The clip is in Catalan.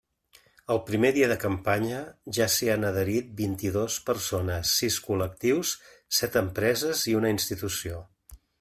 El primer dia de campanya ja s'hi han adherit vint-i-dos persones, sis col·lectius, set empreses i una institució.